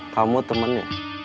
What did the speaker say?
kamu juga kena